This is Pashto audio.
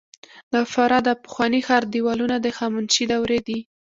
د فراه د پخواني ښار دیوالونه د هخامنشي دورې دي